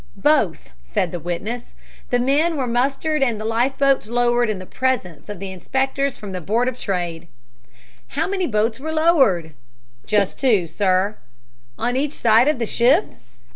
"Both," said the witness. "The men were mustered and the life boats lowered in the presence of the inspectors from the Board of Trade." "How many boats were lowered?" "Just two, sir." "One on each side of the ship?"